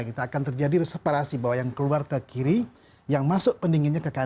kita akan terjadi reseparasi bahwa yang keluar ke kiri yang masuk pendinginnya ke kanan